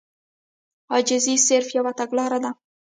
عاجزي صرف يوه تګلاره ده.